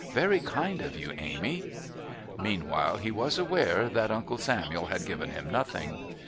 Very kind of you, Amy." Meanwhile he was aware that Uncle Samuel had given him nothing.